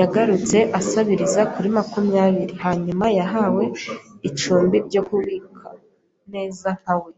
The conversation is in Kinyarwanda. yagarutse asabiriza kuri makumyabiri. Hanyuma yahawe icumbi ryo kubika, neza nka we